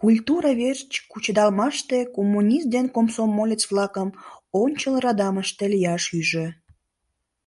Культура верч кучедалмаште коммунист ден комсомолец-влакым ончыл радамыште лияш ӱжӧ.